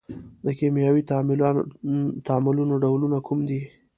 د کیمیاوي تعاملونو ډولونه کوم دي؟